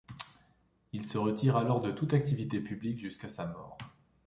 Il se retire alors de toute activité publique jusqu'à sa mort.